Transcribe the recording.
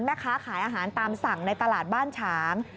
แม่ค้าขายอาหารตามสั่งในตลาดบ้านฉาง